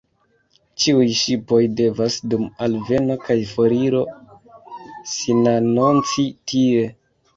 Ĉiuj ŝipoj devas dum alveno kaj foriro sinanonci tie.